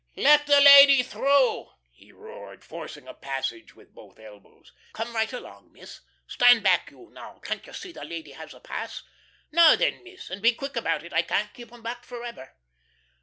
"Let the lady through," he roared, forcing a passage with both elbows. "Come right along, Miss. Stand back you, now. Can't you see the lady has a pass? Now then, Miss, and be quick about it, I can't keep 'em back forever."